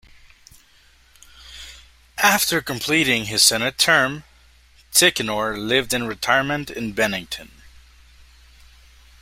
After completing his Senate term, Tichenor lived in retirement in Bennington.